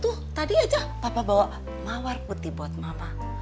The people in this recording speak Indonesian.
tuh tadi aja papa bawa mawar putih buat mama